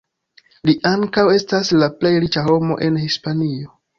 Li ankaŭ estas la plej riĉa homo en Hispanio.